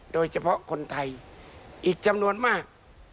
โดยเฉพาะคนไทยอีกจำนวนมาก